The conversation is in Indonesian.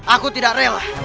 aku tidak rela